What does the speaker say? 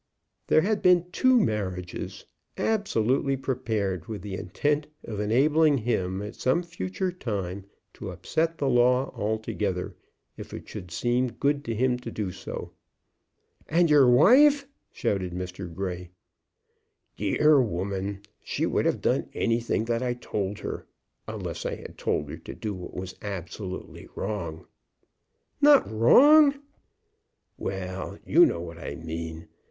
There had been two marriages, absolutely prepared with the intent of enabling him at some future time to upset the law altogether, if it should seem good to him to do so. "And your wife?" shouted Mr. Grey. "Dear woman! She would have done anything that I told her, unless I had told her to do what was absolutely wrong." "Not wrong!" "Well, you know what I mean.